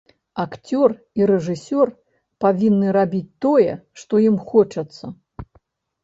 Акцёр і рэжысёр павінны рабіць тое, што ім хочацца.